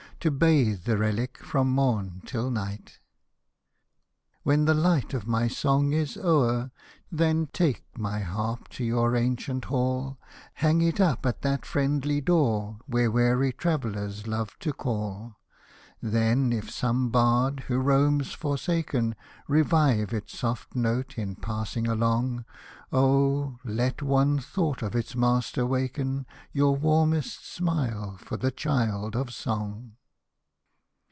To bathe the relic from morn till night. Hosted by Google WE MAY ROAM THROUGH THIS WORLD 13 When the light of my song is o'er, Then take my harp to your ancient hall ; Hang it up at that friendly door, Where weary travellers love to call. Then if some bard, who roams forsaken, Revive its soft note in passing along. Oh ! let one thought of its master waken Your warmest smile for the child of song.